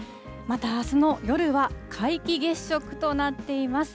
またあすの夜は皆既月食となっています。